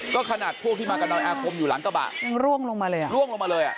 ก็ขนาดพวกที่มากับนายอาคมอยู่หลังกระบะยังร่วงลงมาเลยอ่ะร่วงลงมาเลยอ่ะ